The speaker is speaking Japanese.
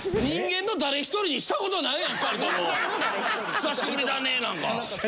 「久しぶりだね」なんか。